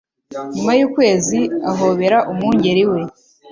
Nyuma y Ukwezi ahobera umwungeri we,